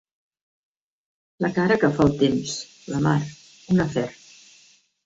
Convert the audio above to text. La cara que fa el temps, la mar, un afer.